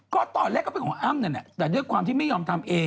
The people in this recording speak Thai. ก็ตอนแรกก็เป็นของอ้ำนั่นแหละแต่ด้วยความที่ไม่ยอมทำเอง